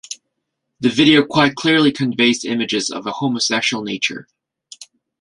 The video quite clearly conveys images of a homosexual nature.